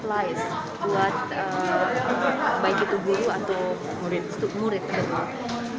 pertama kita harus memiliki kekuatan untuk guru atau murid